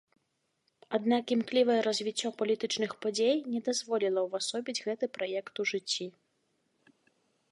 Аднак імклівае развіццё палітычных падзей не дазволіла увасобіць гэты праект у жыцці.